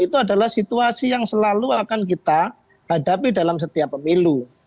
itu adalah situasi yang selalu akan kita hadapi dalam setiap pemilu